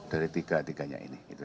dari tiga tiganya ini